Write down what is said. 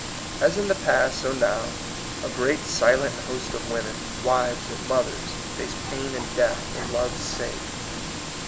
As in the past, so now, a great silent host of women, wives and mothers, face pain and death for love's sake.